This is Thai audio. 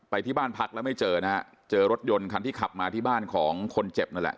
ที่บ้านพักแล้วไม่เจอนะฮะเจอรถยนต์คันที่ขับมาที่บ้านของคนเจ็บนั่นแหละ